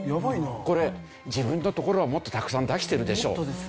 これ自分のところはもっとたくさん出してるでしょうという話なんです。